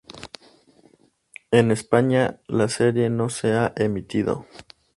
En España la serie no se ha emitido.